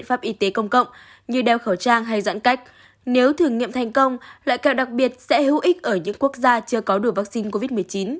pháp y tế công cộng như đeo khẩu trang hay giãn cách nếu thử nghiệm thành công loại kẹo đặc biệt sẽ hữu ích ở những quốc gia chưa có đủ vaccine covid một mươi chín